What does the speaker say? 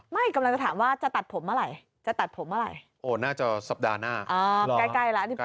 ไม่กำลังจะถามว่าจะตัดผมเมื่อไหร่จะตัดผมเมื่อไหร่น่าจะสัปดาห์หน้า